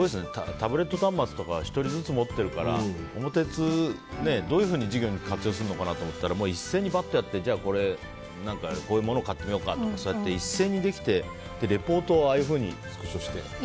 タブレット端末とか１人ずつ持ってるから「桃鉄」をどういうふうに授業に活用するのかなと思ったら一斉にやって、こういうものを買ってみようとか一斉にできてレポートをああいうふうにスクショして。